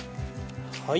はい。